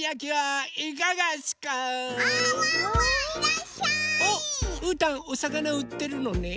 おっうーたんおさかなうってるのね。